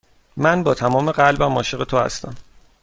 من تمام قلبم عاشق تو هستم.